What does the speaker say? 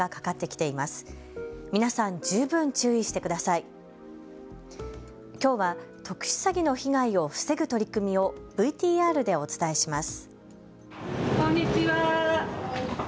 きょうは特殊詐欺の被害を防ぐ取り組みをＶＴＲでお伝えします。